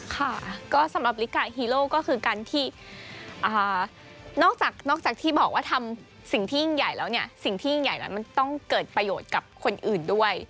ค่ะก็สำหรับลิกาฮีโร่ก็คือการที่นอกจากที่บอกว่าทำสิ่งที่ยิ่งใหญ่แล้วเนี่ยสิ่งที่ยิ่งใหญ่แล้วมันต้องเกิดประโยชน์กับคนอื่นด้วย